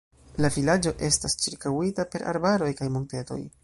La vilaĝo estas ĉirkaŭita per arbaroj kaj montetoj.